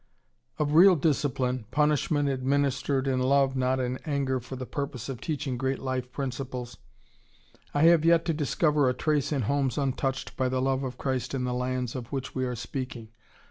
] Of real discipline, punishment administered in love, not in anger, for the purpose of teaching great life principles, I have yet to discover a trace in homes untouched by the love of Christ in the lands of which we are speaking.